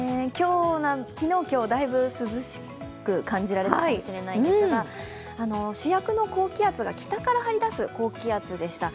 昨日今日、だいぶ涼しく感じられたかもしれないんですが主役の高気圧が北から張り出す高気圧でした。